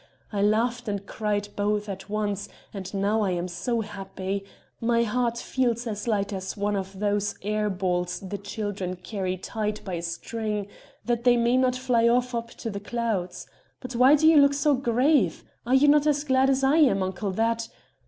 I laughed and cried both at once, and now I am so happy my heart feels as light as one of those air balls the children carry tied by a string, that they may not fly off up to the clouds. But why do you look so grave? are you not as glad as I am, uncle that...."